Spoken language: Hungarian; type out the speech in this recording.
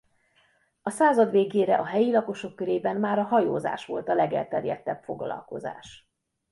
A század végére a helyi lakosok körében már a hajózás volt a legelterjedtebb foglalkozás.